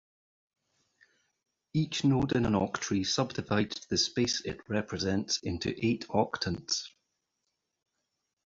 Each node in an octree subdivides the space it represents into eight octants.